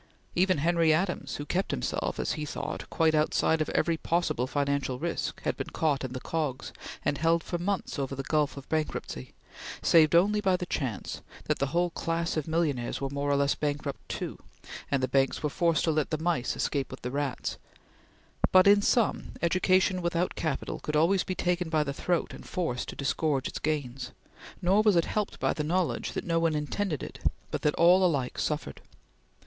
Even Henry Adams, who kept himself, as he thought, quite outside of every possible financial risk, had been caught in the cogs, and held for months over the gulf of bankruptcy, saved only by the chance that the whole class of millionaires were more or less bankrupt too, and the banks were forced to let the mice escape with the rats; but, in sum, education without capital could always be taken by the throat and forced to disgorge its gains, nor was it helped by the knowledge that no one intended it, but that all alike suffered.